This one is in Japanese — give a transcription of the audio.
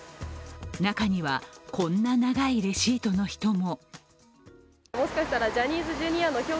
中には、こんな長いレシートの人も。